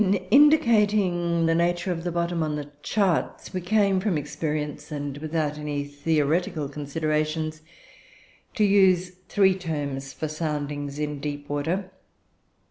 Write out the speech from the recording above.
"In indicating the nature of the bottom on the charts, we came, from experience and without any theoretical considerations, to use three terms for soundings in deep water.